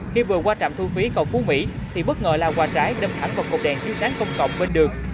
khi vừa qua trạm thu phí cầu phú mỹ thì bất ngờ lao qua trái đâm thẳng vào cột đèn chiếu sáng công cộng bên đường